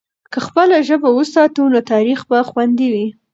که خپله ژبه وساتو، نو تاریخ به خوندي وي.